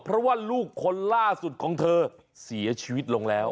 เพราะว่าลูกคนล่าสุดของเธอเสียชีวิตลงแล้ว